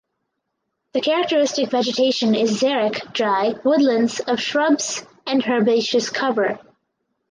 The characteristic vegetation is xeric (dry) woodlands of shrubs and herbaceous cover.